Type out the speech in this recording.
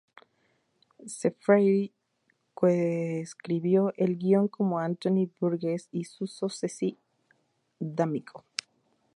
Zeffirelli coescribió el guion con Anthony Burgess y Suso Cecchi d'Amico.